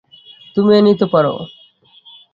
তুমিও নিতে পারো।